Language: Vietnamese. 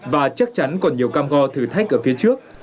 và chắc chắn còn nhiều cam go thử thách ở phía trước